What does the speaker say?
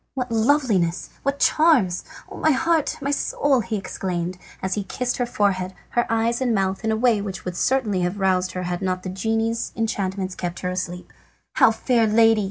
"What loveliness! What charms! Oh, my heart, my soul!" he exclaimed, as he kissed her forehead, her eyes and mouth in a way which would certainly have roused her had not the genie's enchantments kept her asleep. "How, fair lady!"